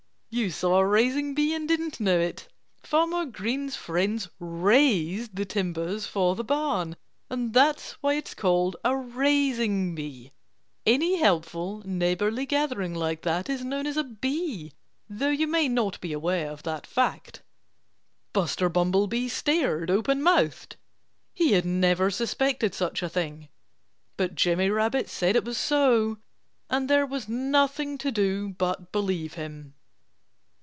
You saw a raising bee and didn't know it! Farmer Green's friends raised the timbers for the barn. And that's why it's called a raising bee. Any helpful, neighborly gathering like that is known as a bee though you may not be aware of that fact." Buster Bumblebee stared open mouthed. He had never suspected such a thing. But Jimmy Rabbit said it was so. And there was nothing to do but believe him.